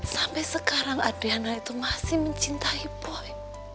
sampai sekarang adriana itu masih mencintai poi